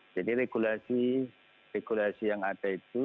jadi regulasi yang ada itu